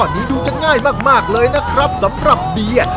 ตอนนี้ดูจะง่ายมากเลยนะครับสำหรับเดีย